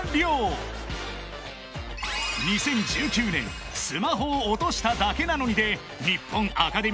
［２０１９年『スマホを落としただけなのに』で］